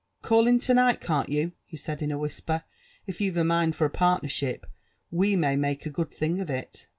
" Call in to ^night, can't you? he said in a whisper: ''if yoa'reji mind for a partnership, we may make a good thing of il.